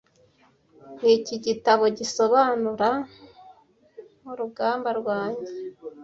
Niki gitabo gisobanura nkurugamba rwanjye